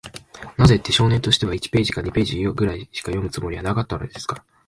なぜって、少年としては、一ページか二ページぐらいしか読むつもりはなかったのですから。